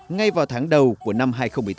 ngay vào tháng đầu của năm hai nghìn một mươi tám